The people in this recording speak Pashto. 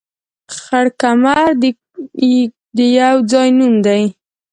خړ کمر د يو ځاى نوم دى